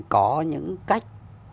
có những cách